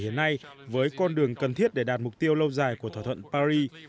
hiện nay với con đường cần thiết để đạt mục tiêu lâu dài của thỏa thuận paris